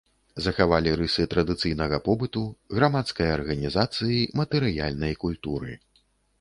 Захавалі рысы традыцыйнага побыту, грамадскай арганізацыі, матэрыяльнай культуры.